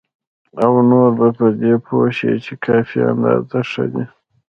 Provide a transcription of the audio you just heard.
او نور په دې پوه شي چې کافي اندازه ښه دي.